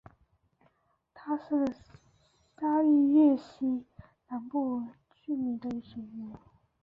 它是沙拉越西南部居民的水源。